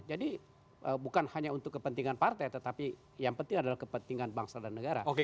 jadi bukan hanya untuk kepentingan partai tetapi yang penting adalah kepentingan bangsa dan negara